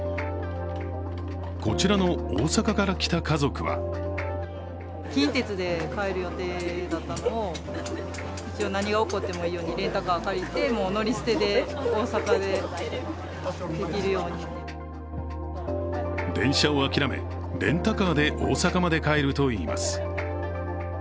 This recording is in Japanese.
こちらの大阪から来た家族は電車を諦め、レンタカーで大阪まで帰るといいます。